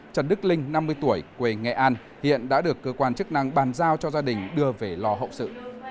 trần đức linh năm mươi tuổi quê nghệ an hiện đã được cơ quan chức năng bàn giao cho gia đình đưa về lò hậu sự